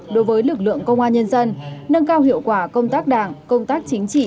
đối với lực lượng công an nhân dân nâng cao hiệu quả công tác đảng công tác chính trị